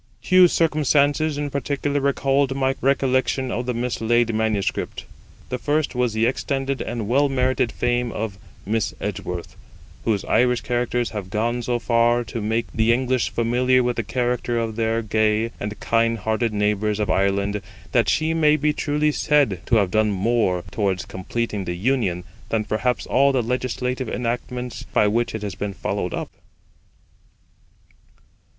Two circumstances in particular recalled my recollection of the mislaid manuscript. The first was the extended and well merited fame of Miss Edgeworth, whose Irish characters have gone so far to make the English familiar with the character of their gay and kind hearted neighbours of Ireland, that she may be truly said to have done more towards completing the Union than perhaps all the legislative enactments by which it has been followed up.